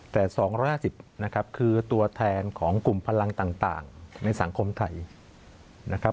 แต่๒๕๐นะครับคือตัวแทนของกลุ่มพลังต่างในสังคมไทยนะครับ